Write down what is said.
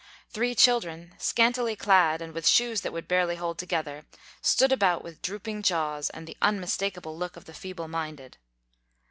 Three children, scantily clad and with shoes that would barely hold together, stood about with drooping jaws and the unmistakable look of the feeble minded.